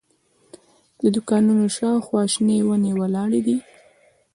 د دوکانونو شاوخوا شنې ونې ولاړې دي.